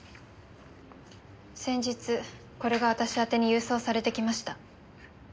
先日これが私宛に郵送されてきました。